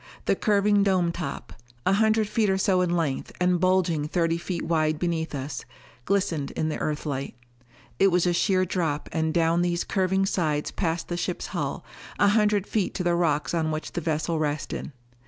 The curving dome top a hundred feet or so in length, and bulging thirty feet wide beneath us glistened in the Earthlight. It was a sheer drop and down these curving sides past the ship's hull, a hundred feet to the rocks on which the vessel rested.